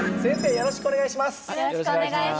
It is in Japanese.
よろしくお願いします！